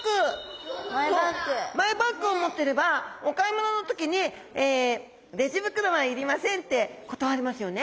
マイバッグを持ってればお買い物の時に「レジ袋はいりません」って断りますよね。